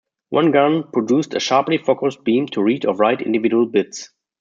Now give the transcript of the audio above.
One gun produced a sharply-focused beam to read or write individual bits.